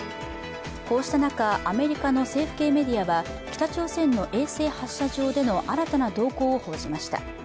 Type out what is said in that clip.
こうした中、アメリカの政府系メディアは北朝鮮の衛星発射場での新たな動向を報じました。